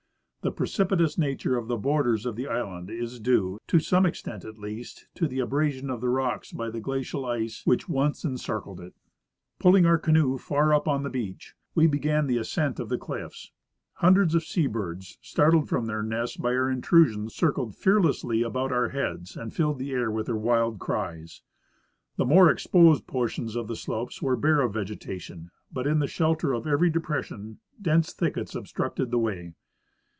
The precipitous nature of the borders of the island is due, to some extent at least, to the abrasion of the rocks by the glacial ice which once encir cled it. Pulling our canoe far up on the beach, we began the ascent of the cliffs. Hundreds of sea birds, startled from their nests by our intrusion, circled fearlessly about our heads and filled the air Avith their wild cries. The more exposed portions of the slopes were bare of vegetation, but in the shelter of every depres sion dense thickets obstructed the way.